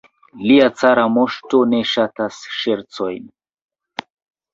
Lia cara moŝto ne ŝatas ŝercojn.